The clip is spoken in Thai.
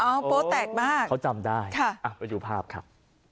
โป๊แตกมากเขาจำได้ค่ะไปดูภาพครับ